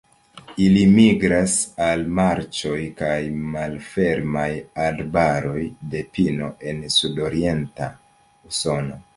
Ili migras al marĉoj kaj malfermaj arbaroj de pino en sudorienta Usono.